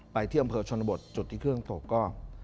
ที่อำเภอชนบทจุดที่เครื่องตกก็